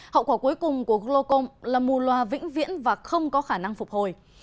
hậu quả cuối cùng của glocom là mù loà vĩnh viễn và không có khả năng phục hồi